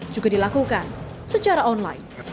juga dilakukan secara online